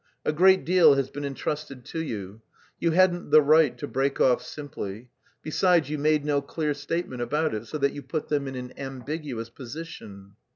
A great deal has been entrusted to you. You hadn't the right to break off simply. Besides, you made no clear statement about it, so that you put them in an ambiguous position."